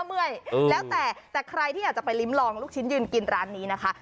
เมื่อยแล้วแต่แต่ใครที่อยากจะไปลิ้มลองลูกชิ้นยืนกินร้านนี้นะคะ